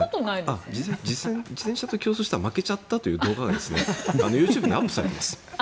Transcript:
実際、自転車と競争したら負けちゃったという動画がＹｏｕＴｕｂｅにアップされています。